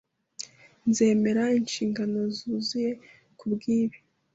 Nzemera inshingano zuzuye kubwibi